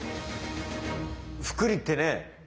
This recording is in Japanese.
複利ってね